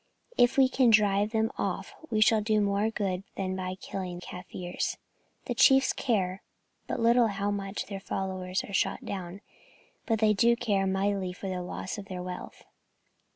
If we can drive them off, we shall do more good than by killing Kaffirs. The chiefs care but little how much their followers are shot down, but they do care mightily for the loss of their wealth.